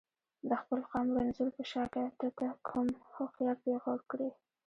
د خپل قام رنځور په شاکه ته ته کوم هوښیار پیغور کړي.